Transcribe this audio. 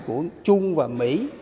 của trung và mỹ